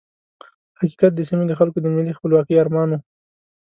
حقیقت د سیمې د خلکو د ملي خپلواکۍ ارمان وو.